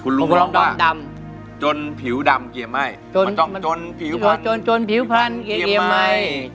คุณลุงบอกว่าจนผิวดำเกียวไหม้จนผิวพันเกียวไหมจนผิวพันเกียวไหม